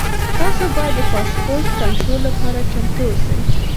تاسو باید د پاسپورټ کنټرول لپاره چمتو اوسئ.